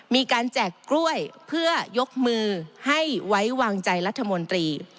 แจกกล้วยเพื่อยกมือให้ไว้วางใจรัฐมนตรี